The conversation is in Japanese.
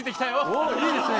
いいですね！